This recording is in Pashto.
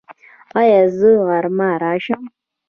ایا زه غرمه راشم؟